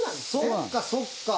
そっかそっか。